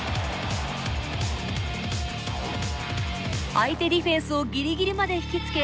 相手ディフェンスをギリギリまで引き付け